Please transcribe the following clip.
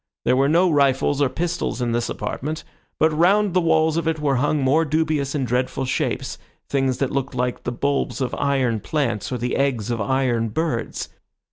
There were no rifles or pistols in this apartment, but round the walls of it were hung more dubious and dreadful shapes, things that looked like the bulbs of iron plants, or the eggs of iron birds.